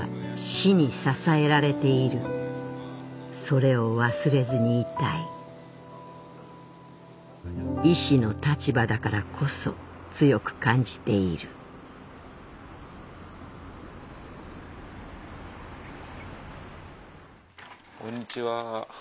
それを忘れずにいたい医師の立場だからこそ強く感じているこんにちは。